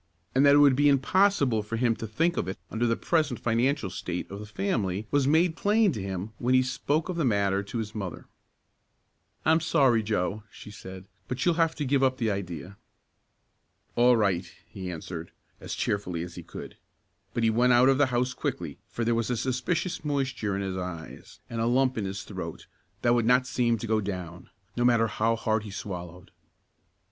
And that it would be impossible for him to think of it under the present financial state of the family was made plain to him when he spoke of the matter to his mother. "I'm sorry, Joe," she said, "but you'll have to give up the idea." "All right," he answered, as cheerfully as he could, but he went out of the house quickly for there was a suspicious moisture in his eyes, and a lump in his throat that would not seem to go down, no matter how hard he swallowed.